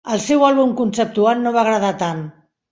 El seu àlbum conceptual no va agradar tant.